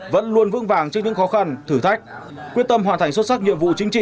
vẫn luôn vững vàng trước những khó khăn thử thách quyết tâm hoàn thành xuất sắc nhiệm vụ chính trị